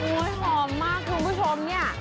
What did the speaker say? อุ๊ยหอมมากคุณผู้ชมนี่